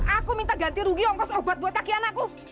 aku minta ganti rugi ongkos obat buat kaki anakku